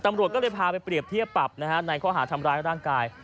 ตำรวจก็เลยพาไปเปรียบเทียบปรับนะฮะในข้อหาทำร้ายร่างกาย